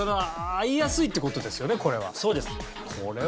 合いやすいって事ですよねこれは。